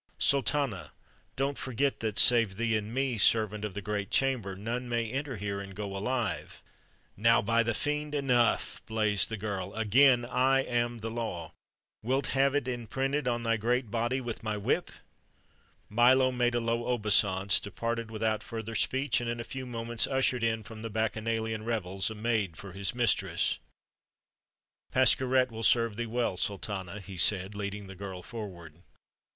"Sultana, don't forget that, save thee and me, servant of the great chamber, none may enter here and go alive?" "Now by the fiend, enough!" blazed the girl. "Again, I am the law! Wilt have it imprinted on thy great body with my whip?" Milo made a low obeisance, departed without further speech, and in a few moments ushered in from the bacchanalian revels a maid for his mistress. "Pascherette will serve thee well, Sultana," he said, leading the girl forward.